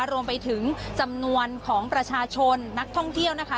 รวมไปถึงจำนวนของประชาชนนักท่องเที่ยวนะคะ